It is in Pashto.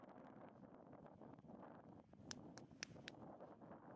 جګړه ونه کړو.